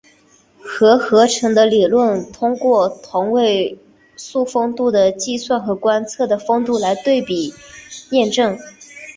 核合成的理论通过同位素丰度的计算和观测的丰度比对来验证。